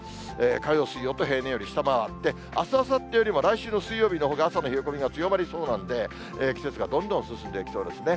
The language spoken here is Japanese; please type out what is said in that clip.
火曜、水曜と平年より下回って、あす、あさってよりも来週水曜日のほうが朝の冷え込みが強まりそうなんで、季節がどんどん進んでいきそうですね。